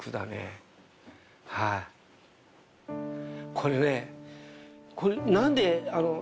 これね。